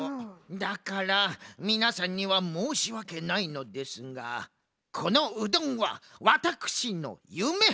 だからみなさんにはもうしわけないのですがこのうどんはワタクシのゆめ！